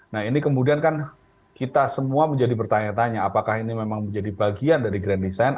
nah ini kemudian kan kita semua menjadi bertanya tanya apakah ini memang menjadi bagian dari grand design